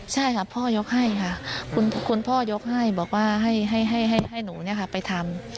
ใช่ค่ะพ่อยกให้ค่ะคุณพ่อยกให้บอกว่าให้หนูไปทำ